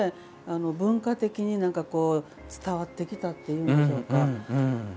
文化的に、伝わってきたというんでしょうか。